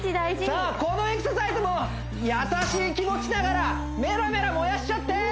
さあこのエクササイズも優しい気持ちながらメラメラ燃やしちゃって！